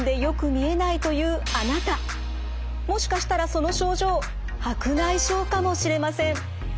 もしかしたらその症状白内障かもしれません。